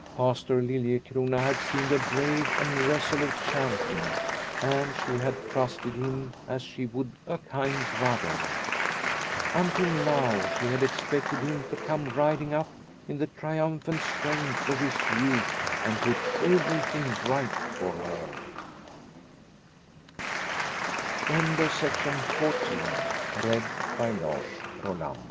Pastor Liliecrona had seemed a brave and resolute champion, and she had trusted him as she would a kind brother. Until now she had expected him to come riding up in the triumphant strength of his youth and put everything right for h